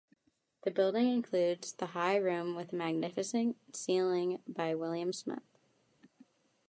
The building includes The High Room with a magnificent ceiling by William Smith.